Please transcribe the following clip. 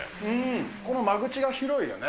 この間口が広いよね。